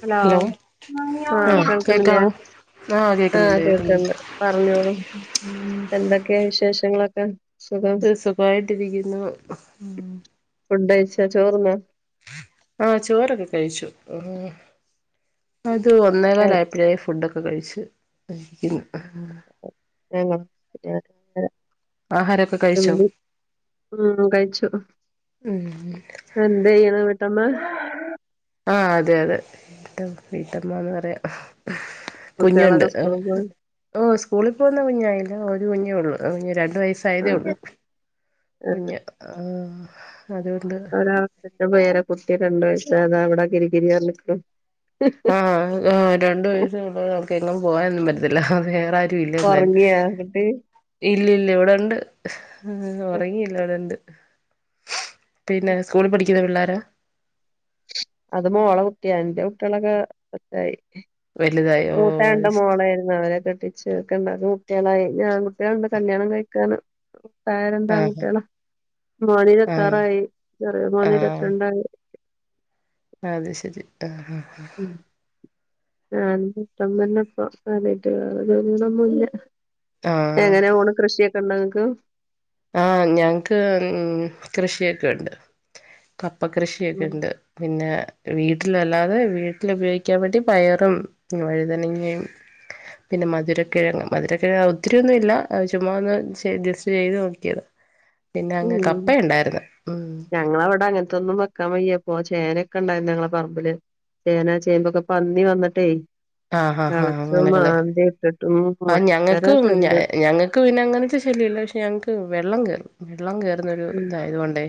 Hello ആ ആഹ് കേൾക്കുന്നില്ലേ കേക്കാവോ ആഹ് ആ കേക്കുന്നുണ്ട് കേക്കുന്നുണ്ട് കേൾക്കണ്ട് പറഞ്ഞോളൂ എന്തൊക്കെയ വിശേഷങ്ങളൊക്കെ സുഖം സുഖമായിട്ടിരിക്കുന്നു ഫുഡ് കഴിച്ചോ ചോറ് തിന്നോ ആ ചോറൊക്കെ കഴിച്ചു അത് ഒന്നേ കാലൊക്കെ ആയപ്പഴെ ഫുഡൊക്കെ കഴിച്ചുരിക്കുന്നു ഞങ്ങളെ ഞാ [unintelligible] ആഹാരമൊക്കെ ഒരു കഴിച്ചോ മണി ആ കഴിച്ചു ഉം എന്താ ചെയ്യുന്നേ, വീട്ടമ്മ ആഹ് അതെ അതെ വീട്ടമ്മന്ന് പറയാം കുഞ്ഞുണ്ട്. കുട്ടികളൊക്കെ സ്കൂളിൽ പോയി ഓ സ്കൂളിൽ പോകുന്ന കുഞ്ഞായില്ല ഒരു കുഞ്ഞേ ഉള്ളൂ കു രണ്ട്‌ വയസ് ആഹ് സയതേള്ളൂ ആഹ് കുഞ്ഞ് അതുകൊണ്ട് ഇതാ പെര കുട്ടി ഒക്കെയുണ്ട്. പക്ഷേ അതാ അവിടെ കിരികിരി പറഞ്ഞിക്കിണ് ആഹ് രണ്ട് വയസുള്ളൂ നമുക്ക് എങ്ങനും പോകാനൊന്നും പറ്റത്തില്ലെ അവൾക്ക് വേറെ ആരും റ്റുഇല്ല എന്തായാലും ഉറങ്ങിയാ കുട്ടി ഇല്ല ഇല്ല ഇവിടെണ്ട് ഉറങ്ങിയില്ല ഇവിടെ ഇണ്ട് പിന്നെ സ്കൂളിൽ പഠിക്കുന്ന പിള്ളോര അത് മോളെ കുട്ടിയ എന്റെ കുട്ടികളൊക്കെ വലുതായി വലുതായി ഓ മുത്ത രണ്ട് അത് ശരി മോളായിരുന്നു അവരെ കെട്ടി ചെറുക്കൻ രണ്ട് കുട്ടികളായി ഞാൻ കുട്ടികളുണ്ട് കല്യാണം കഴിക്കാണ് പേരെന്താ ആഹ് കുട്ടികളെ? മോൻ ആഹ് ഇരുപത്തിയാറായി, ചെറിയ മോന് ഇരുപത്തി രണ്ടായി അത്ശരി ആഹ് മം ഞാന് ഇട്ടം തന്നെപ്പ ആദ്യായിട്ട് കാണാ വോറന്നുല്ല ആഹ് എങ്ങനെ പോണ് കൃഷിയൊക്കെ ഉണ്ടെ ഇങ്ങൾക്ക് ആഹ് ഞങ്ങക്ക് മം കൃഷിയൊക്കെ ഉണ്ട്. കപ്പ കൃഷിയൊക്കെണ്ട് പിന്നെ വീട്ടിൽ അല്ലാതെ വീട്ടില് ഉപയോഗിക്കാൻ വേണ്ടി പയറും വഴുതനങ്ങയും പിന്നെ മധുരക്കിഴങ്ങ്, മധുരക്കിഴ ഒത്തിരിയ ഒന്നും ഇല്ല ചുമ്മാ ഒന്നുംജസ്റ്റ് ചെയ്ത് നോക്കി നോക്കിയത് മം ഞങ്ങവിടെ അങ്ങനത്തൊന്നും നിക്കാൻ വയ്യ അപ്പൊ ചേനയൊക്കെ ഉണ്ടായിരുന്നു ഞങ്ങളെ പറമ്പില്, ചേന ചേമ്പൊക്കെ പന്നി വന്നിട്ടേ ആ ഹാ ഹാ തളച്ചും അങ്ങനെക്കള്, മാന്തി ഇട്ടിട്ടും ആ ഭയങ്കര ഞങ്ങൾക്കും ഞ ശല്യം ഞങ്ങ ക്ക് പിന്നെ അങ്ങനത്തെ ശല്യമില്ല പക്ഷെ ഞങ്ങക്ക് വെള്ളം കയറും വെള്ളം കയറുന്നൊരു ഉം ഇതായതുകൊണ്ടേ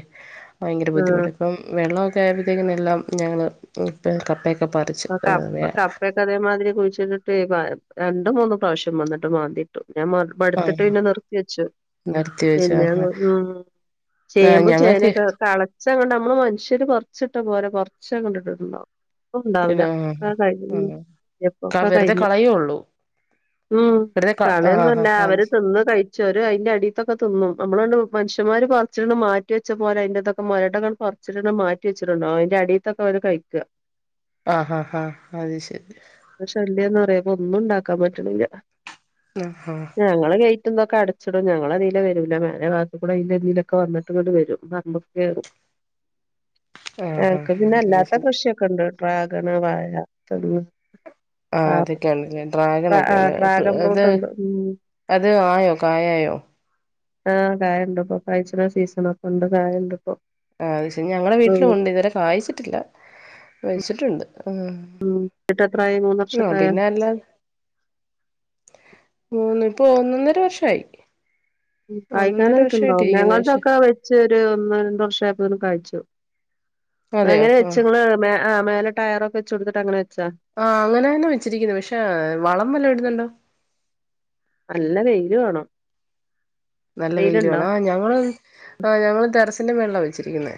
ഭയങ്കര ആഹ് ബുദ്ധിമുട്ട് ഇപ്പം വെള്ളമൊക്കെ ആയപ്പോഴത്തേക് എല്ലാം ഞങ്ങള് ഇപ്പ കപ്പയൊക്കെ പറിച്ച് അതേ മാതിരി കുഴിച്ചിട്ടിട്ട് രണ്ട് മൂന്ന് പ്രാവശ്യം വന്നിട്ട് മാന്തിട്ടു, ഞാൻ മട് മടുത്തിട്ട് പിന്നെ നിർത്തി വെച്ചു നിരത്തി വെച്ച് പിന്നെ ആഹ് മം ആഹ് ചേമ്പും ഞങ്ങൾക്ക് ചേനയൊക്കെ കളച്ചാങ്ങണ്ട് നമ്മള് മനുഷ്യര് പർച്ചിട്ട പോലെ പറച്ചങ്ങ് ഇട്ടിട്ടുണ്ടാവും ഇപ്പം ഉണ്ടാവില്ല ഇത് ഒക്ക കഴിഞ്ഞു ആഹ് ഇപ്പൊക്കെ വെറുതെ കഴിഞ്ഞ് കളയുള്ളൂ ഉം വെറുതെ ക ആഹ് കളയൊന്നല്ല അവര് ആഹ് തിന്ന് കഴ ച്ചോരു അതിന്റെ അടിത്തൊക്കെ തിന്നും, നമ്മളൊണ്ട് മനുഷ്യമാര് പറച്ചിട്ടണ്ട് മാറ്റി വെച്ച പോലെ അതിന്റൊക്കെ മരട്ടക്ക മാറ്റി വച്ചിട്ടുണ്ടാവും അയിന്റെ അടീത്തെ തോല് കഴിക്ക ആഹ് ആഹ് ആഹ് അത് ശരി ശല്യംന്ന് പറയാ ഇപ ഒന്നും ഇണ്ടാക്കാ പറ്റ്ണില്ല. ആഹ് ആഹ് ഞങ്ങളെ ഗെയ്റ്റും ഇതൊക്ക അടച്ചിടും ഞങ്ങള അതിലെ വരൂല്ല മേലേ ഭാഗത്തുകുടെ അതിലെ ഇതിലൊക്ക വന്നിട്ട് ഇങ്ങട്ട് വരും കേറും [inaudible] ആഹ് ഞങ്ങക്ക് ആഹ് പിന്നെ അത് അല്ലാത്ത ശരി കൃഷി ഒക്ക ഇണ്ട് ഡ്രാഗണ് വാഴ ആ ആഹ് അതൊക്കെ ഉണ്ട്ലേ ഡ്രാഗണ് ഒക്കെ ആ, ഉണ്ട് ഡ്രാഗൺ അത് ഫ്രൂട്ട് ഉണ്ട് ഉം അത് ആയോ കായായോ ആഹ് കായുണ്ട് ഇപ്പൊ കാഴ്ച്ചിണ സീസണ ഒക്ക ഇണ്ട് കായണ്ട് ഇപ്പൊ ആഹ് അത്ശ ഞങ്ങടെ വീട്ടിലുണ്ട് ഇതുവരെ കായ്ച്ചിട്ടില്ല വെച്ചിട്ടുണ്ട് ഉം ഉം [unintelligible] ട്ട് എത്രായി മൂന്ന് വർഷക്കായൊ അല്ല മൂന്ന് ഇപ്പൊ ഒന്നൊ ഒന്നര വർഷായി കായ്ക്കനായിട്ടുണ്ടാവും പക്ഷെ ഞങ്ങളതൊക്കെ ഇച്ചൊരു ഒന്ന് രണ്ട് വർഷായപ്പൊ കായിച്ചു അതെയോ എങ്ങന ആ വച്ച് ഇങ്ങള് മേ ആഹ് മേലെ ട്ടയറൊക്ക വെച്ചൊട്ത്തിട്ട് അങ്ങന വെച്ചതാ ആഹ് അങ്ങനെന്നെ വെച്ചിരിക്ക്ന്നെ പക്ഷേ വളം നല്ലം ഇട്ന്നുണ്ടൊ നല്ല വെയില് വേണം നല്ല വെയിയില് വെയിലുണ്ടോ വേണം ആഹ് ഞങ്ങള് ആഹ് ഞങ്ങള് ട്ടെറസിന്റെ മേള്ല വെച്ചിരിക്ക്ന്നെ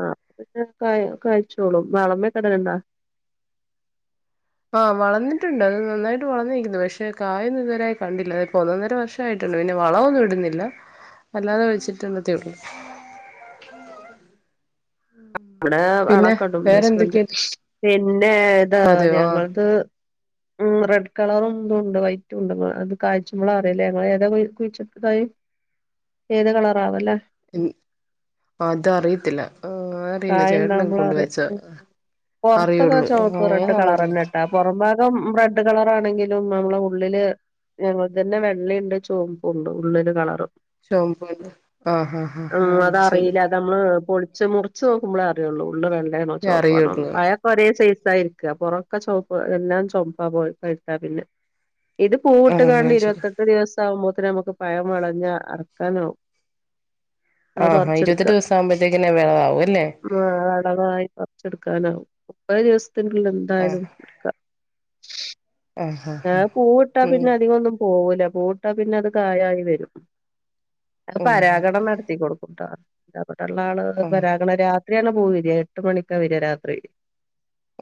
ആഹ് പിന്നെ കാഴ്ച്ചോളും വളമെക്ക ഇടലുണ്ടൊ ആഹ് വളർന്നിട്ടുണ്ട് അത് നന്നായിട്ട് വളർന്നിരിക്കുന്നു പക്ഷെ കായൊന്നു ഇതുവരായി കണ്ടില്ല ഇപ്പ ഒന്നൊന്നര വർഷം ഇാ [unintelligible] യിട്ട പിന്ന വളമൊന്നും ഇട്ന്നില്ല അല്ലാതെ ഒഴിച്ചിട്ടള്ളതേ ഉള്ളു ഉം [inaudible] അവിടെ വളക്ക്ടും ഇൻ്റ വേറെ ഹസ്ബന്റ് എന്തൊക്കെയ പിന്നെ ഇതാ അതെയോ ആ ഞങ്ങൾത് ഉം റെഡ് കളറും ഇതും ഉണ്ട് വൈറ്റും ഉണ്ട് അത് കായ്ച്ചുമ്പള അറിയലേ ഇങ്ങള് ഏതാ കുഴിച്ചിട്ട് കായി [inaudible] ഏത് കളറാവൊല്ലെ അത് അറിയത്തില്ല ആഹ് അറിയില്ല കായ ചേട്ടനൊക്കെ ഇണ്ടാവുമ്പ്ല കൊണ്ട് അറിയ് വെച്ച പൊറ്ത്തൊക്ക അറിയുള്ളൂ ആഹ് ചൊമ്മപ്പ് റെഡ് ഏതാന്നറിയില്ല കളറ്ന്നേട്ടാ പൊറം ഭാഗം റെഡ് കളറാണെങ്കിലും നമ്മള ഉള്ളില് ഞങ്ങളത് തന്നെ വെള്ളയുണ്ട് ചുവപ്പുണ്ട് ഉള്ളില് കളറ് ചൊമപ്പൂണ്ട് ആഹ് ആഹ് ആഹ് ഉം ആഹ് അത് ശരി അതറിയില്ല അത് നമ്മള് പൊളിച്ച് മുറിച്ച് നോക്കുമ്പളെ അറിയൊള്ളു ഉള്ള് വെള്ള്യാണോ അറിയുള്ളൂ ചുവപ്പാണോന്ന് അയാ ഒരേ സൈസായിരിക്ക പൊറൊക്ക ചുവപ്പ് എല്ലാം ചുവപ്പ പോയി [unintelligible] പിന്നെ ഇത് പൂവിട്ട് ആഹ് ആഹ് കാണ്ട് ശരി ഇരുപത്തെട്ട് ദിവസം ആകുമ്പോത്തിന് നമക്ക് പയം വെളഞ്ഞ അറ്ക്കാനാവും ആഹാ ഇരുപത്തിയെട്ട് ദിവസാവുമ്പത്തേക്കെന്നെ വിളവാകും അല്ലെ ആഹ് വെടവായി പറിച്ചെടുക്കാനാവും മുപ്പത് ദിവസ്ത്തിനുള്ളി എന്തായാലും ആഹ് ആഹ് ആഹ് പൂവിട്ടാ പിന്നെ അധികൊന്നും പോവൂല പൂവിട്ടാ പിന്നെ അത് കായായി വരും ഉം പരാഗണം നടത്തി കൊടുക്കുട്ടോ ഇവിട്ള്ളാള് ഉം ഉം പരാഗണ രാ രാത്രിയാണ് പോയി വര എട്ട് മണിക്കാ വര രാത്രി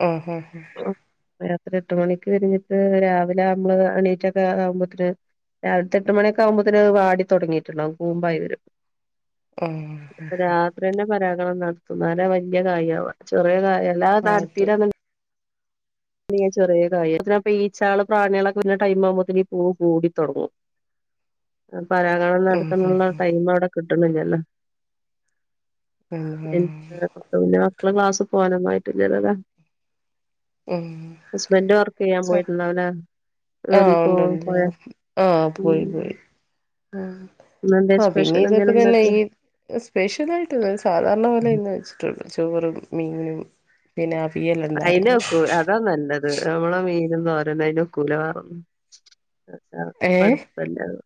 ആഹ് ആഹ് രാത്രി എട്ട് മണിക്ക് കഴിഞ്ഞിട്ട് രാവിലെ നമ്മള് എണീറ്റൊക്ക ആവുമ്പത്തിന് രാവിൽത്തെ എട്ടുമണിയൊക്കാവുമ്പത്തിന് അത് വാടി തൊടങ്ങീട്ട്ണ്ടാവും കൂമ്പായി വരും ആഹ് രാത്രിയെന്നെ പരാഗണം നടത്തും ഇന്നാല വല്യ കായ് ആവ ചെറിയ കായ എല്ലാ അത് നടത്തീലാ ചെറിയതായി അതിലിപ്പൊ ഈച്ചള് പ്രാണികളക്കെ പിന്നെ ടൈം ആവുമ്പോത്തേനീ പൂവ് പൂടി തൊ ടങ്ങും പരാഗണം ഉം ഉം നടത്താനുള്ള ടൈം അവിടെ കിട്ട്ണില്ലല്ലോ പിന്നെ മക്കള് പിന്നെ മക്കള ക്ലാസ്സി പോകാനൊന്നായിട്ടില്ലല്ലോ അല്ലെ ഉം ഹസ്ബൻഡ് വർക്കെയ്യാൻ പോയിട്ടുണ്ടാവല്ലെ ആഹ് ഒണ്ടണ്ട് ആഹ് ഉം പോയി പോയി ആഹ് ഇന്നെന്തേ ആഹ് പിന്നെ സ്പെഷ്യൽ ഇതൊക്കെ എന്തേലും തന്നെ ഉണ്ടാക്കിയോ ഈ സ്പെഷ്യൽ ആയിട്ട് ഇല്ല സാധാരണ പോലെ ഇന്ന് വെച്ച് ചോറും മീനും പിന്നെ അവിയലുണ്ടായിരുന്നു അയിനൊക്കു അതാ നല്ലത് അമ്മള മീനും തോരനും അയിനൊ ക്കൂലാ ഏ [unintelligible]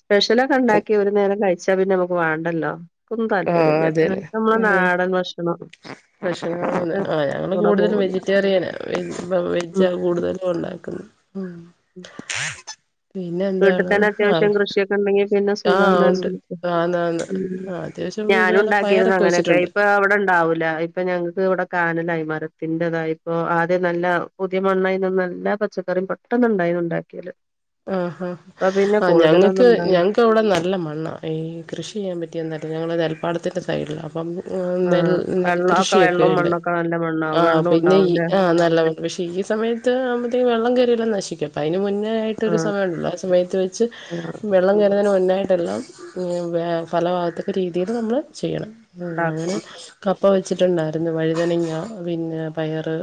സ്പെഷ്യലൊക്കെ ഒണ്ടാക്കി ഒരു നേരം കഴിച്ചാ പിന്നെ നമുക്ക് വേണ്ടല്ലോ ഇനിക്കൊന്നും ആ താല്പര്യല്ല അത് എനിക്ക് നമ്മളെ നാടൻ ഭക്ഷണം [unintelligible] ആഹ് ഞങ്ങള് കൂടെ കൂടുതലും പോവൂല വെജിറ്റേറിയനാ വെജ്ജാ ഉം കൂടുതലും ഒണ്ടാക്കുന്നെ ഉം പിന്നെ വീട്ടിൽ എന്താണ് തന്നെ ആഹ് അത്യാവശ്യം കൃഷിയൊക്കെ ഉണ്ടെങ്കി പിന്നെ ആഹ് സുഖാണ് ണ്ട് നമുക്ക് ആന്ന് ആന്ന് ഉം അത്യാവശ്യം - ഇതുപോല പയറിട്ട് വെച്ചിട്ടുണ്ട് ആഹ് ഇവിടെ ഒണ്ടാവൂല ഇപ്പൊ ഞങ്ങക്ക് ഇവിട കാനലായി മരത്തിന്റെതായപ്പൊ ആദ്യം നല്ല പുതിയ മണ്ണായി നിന്നാ എല്ലാ പച്ചക്കറിയും പെട്ടെന്നുണ്ടായിതു ഉണ്ടാക്കിയത് ആഹ് ആഹ് ആഹ് ഞങ്ങക്ക് ഉണ്ടാവും ഞങ്ങ ങ്ങൾക്ക് ഇവിടെ നല്ല മണ്ണാ ഈ കൃഷിയെയ്യാൻ പറ്റിയ നല്ല ഞങ്ങള് നെൽപ്പാടത്തിൻ്റെ സൈഡിലാ അപ്പം നെൽ ആഹ് വെള്ളമൊക്കെ നെൽകൃഷിയൊക്കെ വെള്ളവും ഇണ്ട് മണ്ണൊക്കെ നല്ല മണ്ണാവും ആഹ് വെള്ളവും പിന്നെ ഈ ഉണ്ടാവൂലേ ആഹ് നല്ല പക്ഷെ ഈ സമയത്ത് ആമ്പഴത്തേക്കും വെള്ളം കേറിയെ ല്ലാം നശിക്കും അപ്പ അയിന് മുന്നേആയിട്ട് ഒരു ആഹ് സമയ ഉണ്ടല്ലോ ആ- സമയത്ത് വെച്ച് ആഹ് വെള്ളം കയറുന്നതിന് മുന്നേ ആയി ട്ടെല്ലാം പലഭാഗത്തക്ക രീതിയില് നമ്മള് ചെയ്യണം ആഹ് അങ്ങന ഉണ്ടാക്കും കപ്പ വെച്ചിട്ടുണ്ടാരുന്നു വഴുതണങ്ങ പിന്നാ പയറ്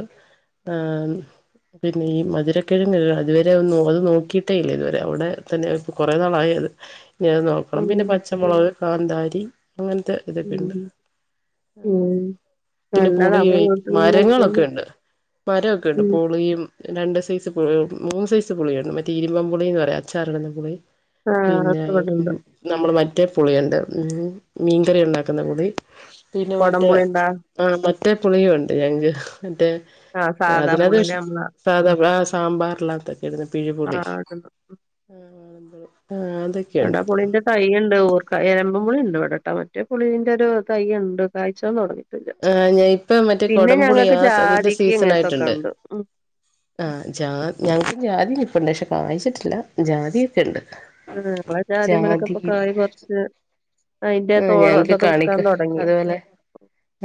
ആഹ് പിന്നെ ഈ മധുരക്കിഴങ്ങ് അതുവരെ ഒന്ന് അത് നോ ക്കീട്ടേഇല്ല ഇതുവരെ അവിടെ തന്നെ ഇപ്പൊ കൊറേ നാളായി അത് ഇനി അത് നോക്കണം ഉം പിന്നെ പച്ചമൊളക് കാന്താരി അങ്ങനത്തെ ഇതൊക്കെ ണ്ട്. ഉം ഉം പിന്നെ നല്ലതാ പുളി നമ്മള് വീട്ടിലുണ്ടാക്കിയാല് മരങ്ങളൊക്കെ ഉണ്ട് മരമൊക്കെ ഉണ്ട് ഉം പുളിയും രണ്ട് സൈസ് പുള മൂന്ന് സൈസ് പുളിയുണ്ട് മറ്റേ ഇരുമ്പം പുളിന്ന് പറയും അച്ചാറിടുന്ന പുളി ആഹ് അത് പിന്നായി ഉം ഇവിടെണ്ട് നമ്മള് മറ്റേ പുളിയുണ്ട് ഉം മീൻകറി ഉണ്ടാക്കുന്ന പുളി പിന്നെ മറ്റേ കൊടംപുളി ഉണ്ടാ ആഹ് മറ്റേ പുളിയും ഉണ്ട് ഞങ്ങക്ക് മറ്റേ ആഹ് സാധാ അതിനത് പുളിയില് നമ്മള സാധാ ആഹ് സാമ്പാറിനാത്തൊക്കെ ഇടുന്ന പിഴു ആഹ് ഇടുന്ന ആഹ് ആഹ് അത് സാധാപുളിന്റെ തൈയിണ്ട് ഓർക്ക എരമ്പം പുളിണ്ട് വിടെട്ടാ മറ്റേ പുളീന്റെ ഒരു തൈയ്യുണ്ട് കായ്ച്ചൊതൊടങ്ങി ആഹ് ഇപ്പ മറ്റേ കൊടംപുളിയാ അതിന്റെ ജാതിക്ക ഇങ്ങനത്തൊക്കെ സീസനായിട്ടുണ്ട് ഉണ്ട്. ഉം ആഹ് ജാ ഞങ്ങക്ക് ജാതി നിപ്പുണ്ട് പക്ഷെ കായ്ച്ചിട്ടില്ല ജാതിക്കെ ഇണ്ട് ഉം നമ്മളെ ജാതി മരോക്ക ഇപ്പൊ കായി കൊറച്ച് അതിന്റെ ആഹ് തോട് ഞങ്ങക്ക് ഇതൊക്കെ വിക്കാൻ കാണിക്ക തൊടങ്ങി അതുപോലെ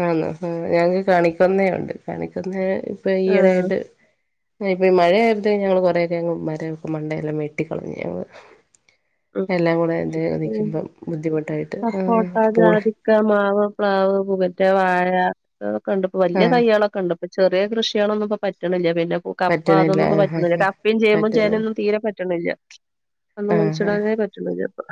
ആന്നോ ആഹ് ഞങ്ങക്ക് കണിക്കൊന്നേണ്ട് കണിക്കൊന്ന ഇപ്പൊ ആഹ് ഈയിടയായിട്ട് ഇപ്പൊ ഈ മഴയഴേ [unintelligible] ഞങ്ങള് കൊറേ [unintelligible] മണ്ടെ എല്ലാം വെട്ടിക്കളഞ്ഞ് ഞങ്ങൾ ഉം എല്ലാം കൂടെ ഇത് നിക്കുമ്പം ബുദ്ധിമുട്ടായി സപ്പോട്ടാ ജാതി ക്ക മാവ് പ്ലാവ് പുകറ്റ വാഴ അതൊക്കെ ഇണ്ട് ഇപ്പൊ വല്ല്യ ആഹ് തയ്കളൊ ക്ക ഇണ്ട്പ്പൊ ചെറിയ കൃഷിയാളൊന്നും ഇപ്പ പറ്റ്‌ണ്ല്ല പിന്നെ പൂ കപ്പ പറ്റണില്ല അതൊന്നും പ്പൊ ആഹ് പറ്റ്‌ണ്ല്ല ആഹ് കപ്പിം ചേമ്പും ചേന പറ്റുന്നില്ല ഒന്നും തീരെ പറ്റ്ണ്ല്ല അതൊന്നും ആഹ് ആഹ് കുയ്ച്ച്ടാനേ പറ്റ്ണില്ല ഇപ്പൊ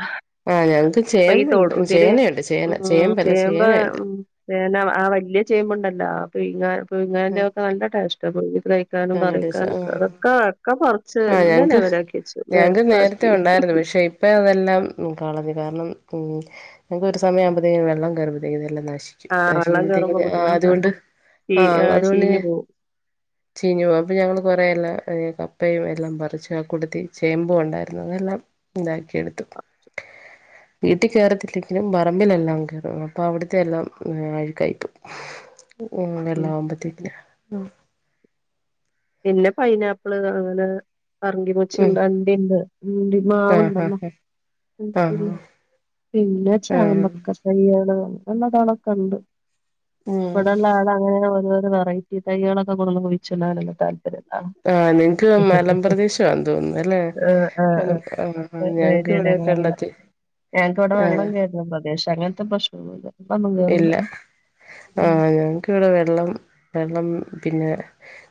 ആഹ് ഞങ്ങക്ക് അപ്പൊ ഈ ചേമ്പ്ണ്ട് തൊടു ഇതില് ചേനയുണ്ട് ചേന ചേമ്പല്ല ചേന ഇണ്ട് പിന്നെ ആഹ് വല്ലിയ ചേമ്പുണ്ടല്ലോ പീങ്ങാ പുഴുങ്ങാൻ്റൊക്കെ നല്ല ടേസ്റ്റാ [unintelligible] ക്കാനും ആഹ് കറിവെക്കാനൊക്കെ ആഹ് അതൊക്കെ ഒക്കെ പർച്ച് ആഹ് എല്ലാം ഞങ്ങക്ക് ലെവലാക്കി വെച്ചു ഞങ്ങക്ക് നേരത്തെ നെര്പ്പാക്കി ഉണ്ടായിരുന്നു പക്ഷെ ഇപ്പ അതെല്ലാം കളഞ്ഞ് കാരണം [unintelligible] ഒരു സമയ ആവുമ്പത്തേക്കും വെള്ളം കേറുമ്പത്തേക്കും ഇതല്ലാം നശിക്കും ആഹ് വെള്ളം നശിക്കുമ്പത്തേക്കും കേറുമ്പോ ആഹ് ബുദ്ധിമുട്ടാ അതുകൊണ്ട് ചീ ആഹ് അതുകൊണ്ട് ചീഞ്ഞു പോവും ചീഞ്ഞ് പോവും അപ്പൊ ഞങ്ങള് കൊറേല്ല [unintelligible] അപ്പയും എല്ലാം പറിച്ചു ആഹ് കൂട്ടത്തി ചേമ്പും ഉണ്ടായിരുന്നു അതെല്ലാം ഇതാക്കിയെടുത്തു വീട്ടിൽ കേറത്തില്ലെങ്കിലും പറമ്പിലെല്ലാം കേറും അപ്പൊ അവ്ട്ത്തെ എല്ലാം അഴുക്കായി പോകും ഉം വെള്ളം ആകുമ്പത്തേക്ക്ന് പിന്നെ പൈനാപ്പ്ള് അങ്ങനെ പറങ്കി മൂച്ചിണ്ട് അണ്ടി ഇണ്ട് ഉം ആഹ് മാവുണ്ടല്ലോ ആഹ് ആഹ് ആഹ് [unintelligible] പിന്നെ ആഹ് ചാമ്പക്ക [unintelligible] നല്ലതണൊക്കെ ഇണ്ട് ഉം ഇവിടെള്ള ആള് അങ്ങനെ ഒരോരോ വെറൈറ്റി ഈ തൈകളൊക്കെ കൊട്ന്ന് കുയ്ച്ച്ടാനുള്ള താല്പര്യം ഉള്ള ആളാ ആഹ് നിങ് ക്ക് മലമ്പ്രദേശാ തോന്നുന്നു അല്ലേ ആഹ് ആഹ് മല ആഹ് ഞങ്ങക്ക് ഇവടെ ഞങ് ക്ക് ഇവടെ വെള്ളം കേറുന്ന പ്രദേശ അങ്ങൻത്തെ പ്രശ്നൊന്നുല്ല വെള്ളൊന്നും കേറൂല ഇല്ല ഉം ആഹ് ഞങ്ങക്ക് വ്ടെ വെള്ളം വെള്ളം പിന്നെ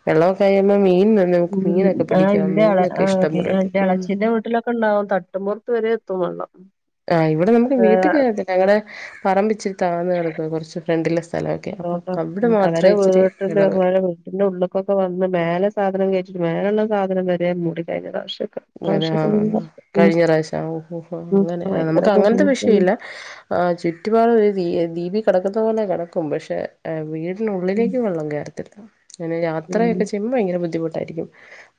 വെള്ളോ കഴിയുമ്പൊ മീൻ നമുക്ക് ഉം മീനൊക്കെ ആഹ് പിടിക്കാം ന്റെ അ മീനൊക്കെ ആഹ് ഇഷ്ടം പോലെ എന്റെ കിട്ടും ഉം എളച്ചിന്റെ വീട്ടിലൊ ക്കണ്ടാവും തട്ടും പൊർത്ത് വരെ എത്തും വെള്ളം ആഹ് ഇവിടെ നമുക്ക് വീട്ടിൽ കേറത്തില്ല ഇവടെ പറമ്പിച്ചിട്ട താന്ന [unintelligible] കൊർച്ച് ഫ്രണ്ടില് [unintelligible] അവരെ വീട്ടില് വെള്ളം കേറും ഓലെ വീട്ടിൻ്റെ ഉള്ള്ക്ക് ക്കൊക്കെ വന്ന് മേലെ സാധനം കഴിച്ചിട്ട് മേലള്ള സാധനം വരയാൻ മൂടിക്കഴിഞ്ഞത പക്ഷ്യം അതെ ആഹ് കഴിഞ്ഞ പ്രാവശ്യം ഓഹ് ഓഹോ ഉം അങ്ങനെ ഭയങ്കര നമുക്ക് അങ്ങൻത്തെ വിഷയ ബുദ്ധിമുട്ടാണ് ഇല്ല ആഹ് ചുറ്റുപാട് ഒരു ദീ ദീപി കെടക്കുന്ന പോലെ കെടക്കും പക്ഷെ ഉം വീടിനുള്ളിലേക്ക് വെള്ളം കേറത്തില്ല അങ്ങനെ ഉം യാത്രയൊക്കെ ചെയ്യുമ്പോൾ ഭയങ്കര ബുദ്ധിമുട്ടായിരിക്കും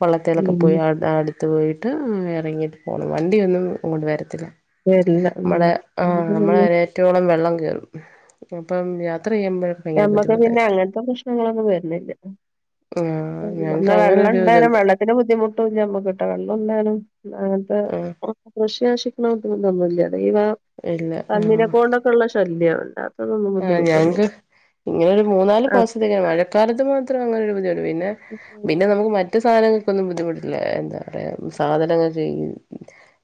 വള്ളത്തിലൊക്കെ ഉം പോയി കാണ്ട് അടുത്ത് പോയിട്ട് എറങ്ങി പോണം വണ്ടിയൊന്നും ഇങ്ങോട്ട് വരത്തില്ല വരില്ല ഉം നമ്മള ആഹ് ഞമ്മക്ക് നമ്മള വരെ പിന്നെ റ്റോളം വെള്ളം കേറും അപ്പം യാത്ര ചെയ്യുമ്പഴ് നമ്മക്ക് പിന്നെ അങ്ങൻത്തെ പ്രശ്നങ്ങളൊന്നും വര്നില്ല ആഹ് ന്ന ഞങ്ങൾക്ക് അങ്ങനെ വെള്ളം ഒരു ഇണ്ടാനു ഇതുണ്ട് വെള്ള ത്തിന് ബുദ്ധിമുട്ടും ഇല്ല നമ്മക്ക്ട്ട വെള്ളം ഇണ്ടാനും അങ്ങൻത്തെ ആഹ് കൃഷി നശിക്ക്ണ [unintelligible] അതെ ഇവ ഇല്ല പന്നിനെ ആഹ് കൊണ്ടോക്കെ ഉള്ള ശല്യംണ്ട ആഹ് [unintelligible] ഞങ്ങക്ക് ഇങ്ങനെ ഒരു മൂന്നാല് മാസത്തേക്കാണ് മഴക്കാലത്ത് മാത്രം അങ്ങന ഒരു ബുദ്ധിമുട്ട് പിന്നെ പിന്നെ ഉം. നമുക്ക് മറ്റ് സാനങ്ങൾ ക്കൊന്നും ബുദ്ധിമുട്ടില്ല എന്താ പറയാ സാധനങ്ങൾ ചെയ്യ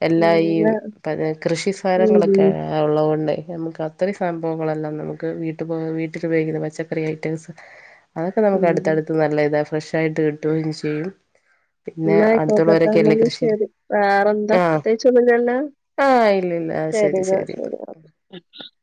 എല്ലാ ഈ പിന്നെ പിന്ന കൃഷി ഉം സധങ്ങളൊക്കെ ആഹ് ഉള്ളത് കൊണ്ട് നമുക്ക് അത്രയും സംഭവങ്ങളല്ലാം നമുക്ക് വീട്ട വീട്ടിൽ ഉപയോഗിക്കുന്ന പച്ചക്കറി ഐറ്റംസ് അതൊക്കെ നമുക്ക് ഉം അടുത്തടുത്ത് നല്ല ഇതാണ് ഫ്രഷ് ആയിട്ട് കിട്ടുകയും ചെയ്യും പിന്നെ ന്നാ അയിക്കോട്ടട്ട അടുത്തുള്ളവരൊക്കെയല്ലേ കൃഷി ശരി വേറെന്താ പ്രത്യേകിച്ചൊന്നുല്ലല്ല. ആഹ് ഇല്ലല്ല ആഹ് ശരി ശരി [unintelligible]